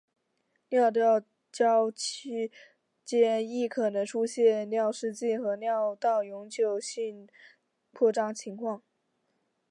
尿道交期间亦可能出现尿失禁和尿道永久性扩张的情况。